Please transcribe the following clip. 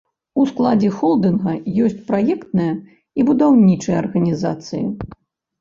У складзе холдынга ёсць праектная і будаўнічая арганізацыі.